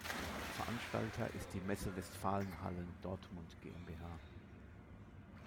Veranstalter ist die Messe Westfalenhallen Dortmund GmbH.